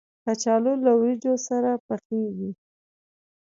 کچالو له وریجو سره پخېږي